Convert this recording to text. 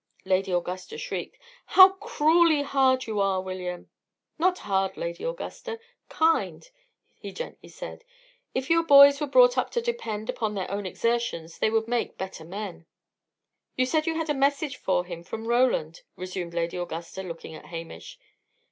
Lady Augusta shrieked. "How cruelly hard you are, William!" "Not hard, Lady Augusta kind," he gently said. "If your boys were brought up to depend upon their own exertions, they would make better men." "You said you had a message for him from Roland," resumed Lady Augusta, looking at Hamish.